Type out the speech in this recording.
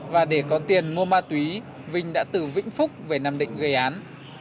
và để có tiền mua ma túy vinh đã từ vĩnh phúc về nam định gây án